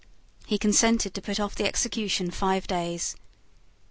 He consented to put off the execution five days.